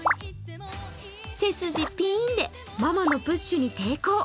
背筋ピーンでママのプッシュに抵抗。